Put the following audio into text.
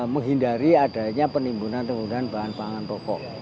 menghindari adanya penimbunan bahan bahan rokok